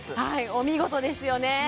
はいお見事ですよね